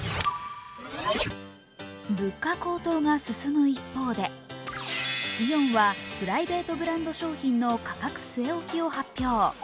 物価高騰が進む一方でイオンはプライベートブランド商品の価格据え置きを発表。